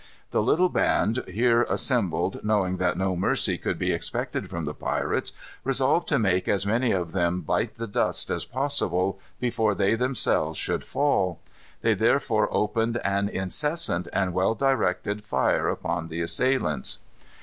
The little band here assembled, knowing that no mercy could be expected from the pirates, resolved to make as many of them bite the dust as possible, before they themselves should fall. They therefore opened an incessant and well directed fire upon their assailants.